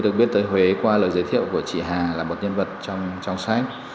được biết tới huế qua lời giới thiệu của chị hà là một nhân vật trong sách